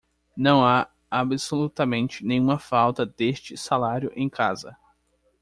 Não há absolutamente nenhuma falta deste salário em casa.